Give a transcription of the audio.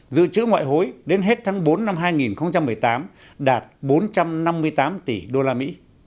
dự trữ ngoại hối đến hết tháng bốn năm hai nghìn một mươi tám đạt bốn trăm năm mươi tám tỷ usd